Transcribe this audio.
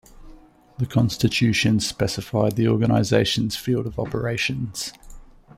The constitution specified the organization's field of operations.